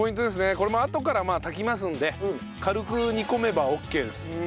これもあとからまあ炊きますんで軽く煮込めばオッケーです。